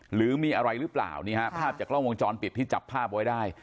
หรือมีอะไรหรือเปล่านี่ฮะภาพจากกล้องวงจรปิดที่จับภาพไว้ได้